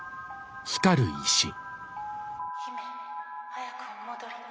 「姫早くお戻りに」。